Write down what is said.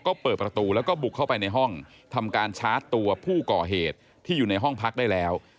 ก็เปิดประตูแล้วก็บุกเข้าไปในห้องทำการชาร์จตัวผู้ก่อเหตุที่อยู่ในห้องพักได้แล้ว